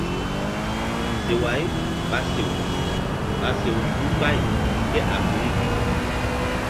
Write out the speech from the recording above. Seway ɓa sew ɓa sew lu mbay kéafirik.